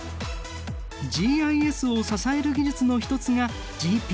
ＧＩＳを支える技術の一つがＧＰＳ。